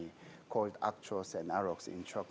yang disebut axo dan arocs di pasar kereta